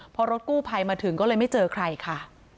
พอรถกู้ภัยมาถึงก็เลยไม่เจอใครค่ะ